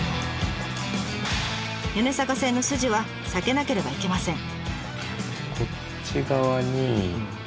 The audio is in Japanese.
米坂線のスジは避けなければいけません。